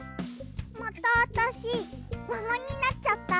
またあたしももになっちゃった。